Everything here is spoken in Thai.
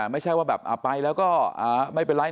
ไม่ใช่ว่าแบบไปแล้วก็ไม่เป็นไร